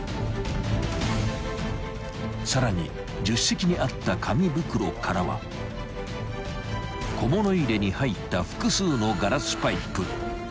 ［さらに助手席にあった紙袋からは小物入れに入った複数の］